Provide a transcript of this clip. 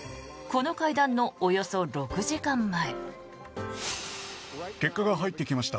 この会談のおよそ６時間前。